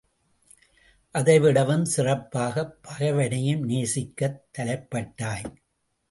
அதைவிடவும், சிறப்பாகப் பகைவனையும் நேசிக்கத் தலைப்பட்டாய்!